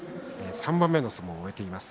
３番目の相撲を終えています。